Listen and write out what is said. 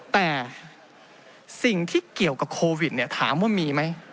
แต่สิ่งที่เกี่ยวกับโควิดเนี่ยถามว่ามีไหม